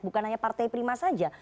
bukan hanya partai prima saja